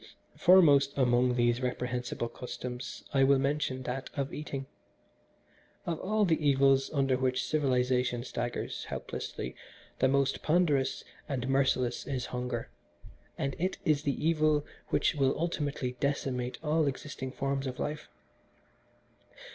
"Foremost among these reprehensible customs I will mention that of eating. Of all the evils under which civilisation staggers helplessly the most ponderous and merciless is hunger, and it is the evil which will ultimately decimate all existing forms of life.